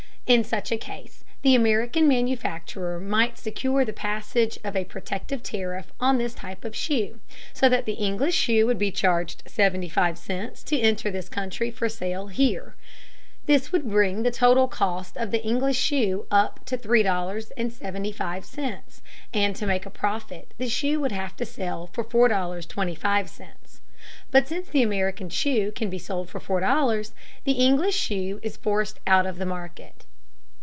In such a case the American manufacturer might secure the passage of a protective tariff on this type of shoe, so that the English shoe would be charged $0.75 to enter this country for sale here. This would bring the total cost of the English shoe up to $3.75, and to make a profit the shoe would have to sell for $4.25. But since the American shoe can be sold for $4.00, the English shoe is forced out of the market.